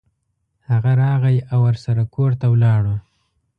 هغه راغی او ورسره کور ته ولاړو.